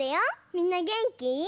みんなげんき？